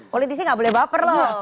politik sih gak boleh baper loh